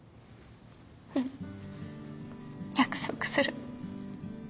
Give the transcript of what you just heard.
うん。約束する。